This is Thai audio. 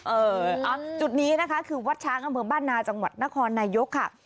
เออจุดนี้นะคะคือวัดช้างอำเภอบ้านนาจังหวัดนครนายกค่ะ